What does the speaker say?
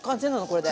これで。